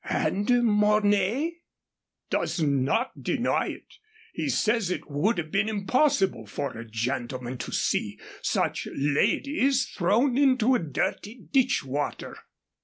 "And Mornay?" "Does not deny it. He says it would have been impossible for a gentleman to see such ladies thrown into a dirty ditchwater."